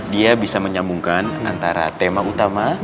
dia bisa menyambungkan antara tema utama